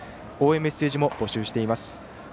応援メッセージも募集しています。